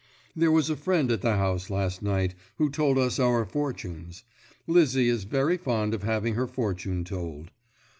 There was a friend at the house last night, who told us our fortunes. Lizzie is very fond of having her fortune told.